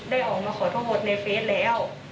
ได้ออกมาขอโทษในเฟสแล้ว